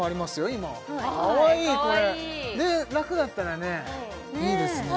今かわいいこれでラクだったらいいですね